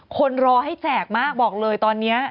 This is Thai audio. คนรอให้แจกมากบอกเลยตอนนี้